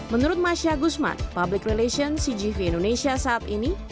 menurut masya gusman public relations cgv indonesia saat ini